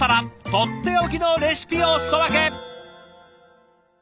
とっておきのレシピをおすそ分け。